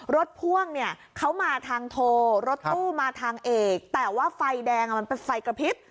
พ่วงเนี่ยเขามาทางโทรรถตู้มาทางเอกแต่ว่าไฟแดงมันเป็นไฟกระพริบ